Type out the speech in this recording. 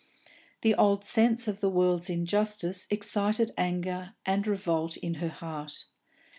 The old sense of the world's injustice excited anger and revolt in her heart.